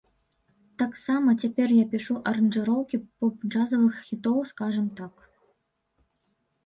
Таксама цяпер я пішу аранжыроўкі поп-джазавых хітоў, скажам так.